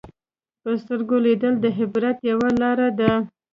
په سترګو لیدل د عبرت یوه لاره ده